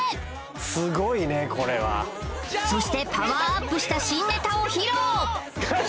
すごいねこれはそしてパワーアップした新ネタを披露！